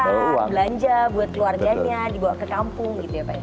belanja buat keluarganya dibawa ke kampung gitu ya pak